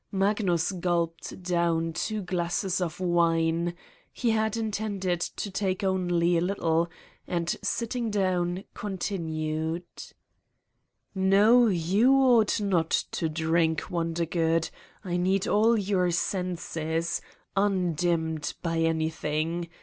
Magnus gulped down two glasses of wine he had intended to take only a little and, sitting down, continued: "No, you ought not to drink, Wondergood. I need all your senses, undimmed by anything